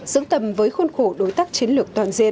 xứng tầm với khuôn khổ đối tác chiến lược toàn diện